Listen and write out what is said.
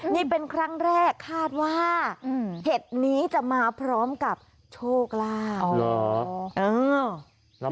นี่เป็นครั้งแรกคาดว่าเห็ดนี้จะมาพร้อมกับโชคลาภ